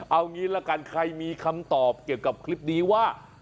เอางี้ละกันใครมีคำตอบเกี่ยวกับคลิปนี้ว่า